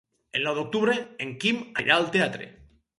El nou d'octubre en Quim anirà al teatre.